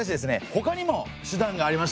ほかにも手段がありました。